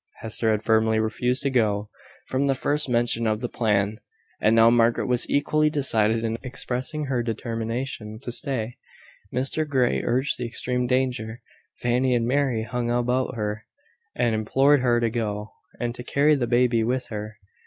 Hester had firmly refused to go, from the first mention of the plan; and now Margaret was equally decided in expressing her determination to stay. Mr Grey urged the extreme danger: Fanny and Mary hung about her, and implored her to go, and to carry the baby with her.